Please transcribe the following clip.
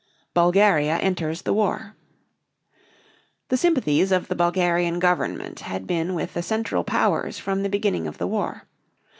BULGARIA ENTERS THE WAR. The sympathies of the Bulgarian government had been with the Central Powers from the beginning of the war.